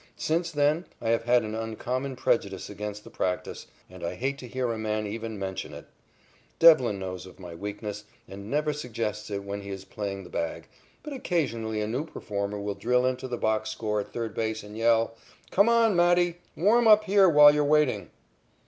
Since then I have had an uncommon prejudice against the practice, and I hate to hear a man even mention it. Devlin knows of my weakness and never suggests it when he is playing the bag, but occasionally a new performer will drill into the box score at third base and yell: "Come on, Matty! Warm up here while you're waiting."